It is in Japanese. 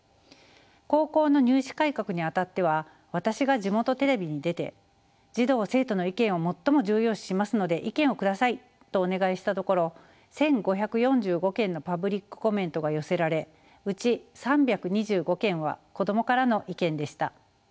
高校の入試改革にあたっては私が地元テレビに出て「児童生徒の意見を最も重要視しますので意見を下さい」とお願いしたところ１，５４５件のパブリックコメントが寄せられうち３２５件は子供からの意見でした。